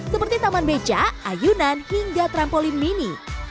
seperti taman beca ayunan hingga trampolin mini